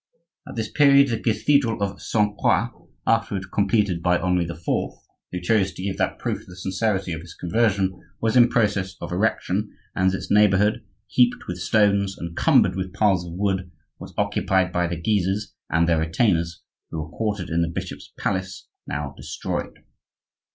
At this period the cathedral of Sainte Croix, afterward completed by Henri IV.,—who chose to give that proof of the sincerity of his conversion,—was in process of erection, and its neighborhood, heaped with stones and cumbered with piles of wood, was occupied by the Guises and their retainers, who were quartered in the bishop's palace, now destroyed.